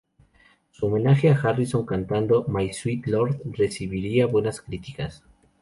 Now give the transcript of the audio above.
Su homenaje a Harrison, cantando "My Sweet Lord", recibiría buenas críticas.